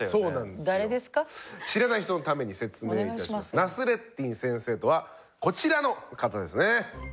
ナスレッディン先生とはこちらの方ですね。